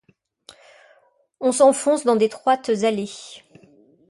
On s'enfonce dans d'étroites allées.